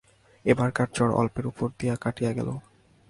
এবারকার জ্বর অল্পের উপর দিয়া কাটিয়া গেল।